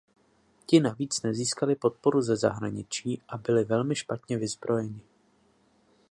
Ti navíc nezískali podporu ze zahraničí a byli velmi špatně vyzbrojeni.